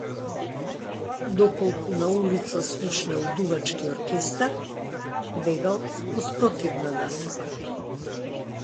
Доколку на улица слушнел дувачки оркестар, бегал во спротивна насока.